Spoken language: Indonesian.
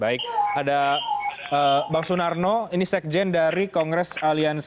baik ada bang sunarno ini sekjen dari kongres aliansi